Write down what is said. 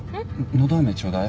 のど飴ちょうだい。